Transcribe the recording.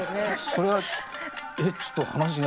それはえっちょっと話が。